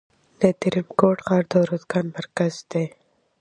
د ترینکوټ ښار د ارزګان مرکز دی